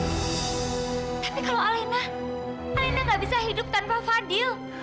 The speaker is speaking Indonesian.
tapi kalau alena alena nggak bisa hidup tanpa fadl